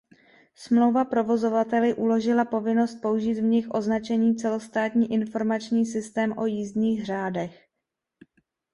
Smlouva provozovateli uložila povinnost použít v nich označení Celostátní informační systém o jízdních řádech.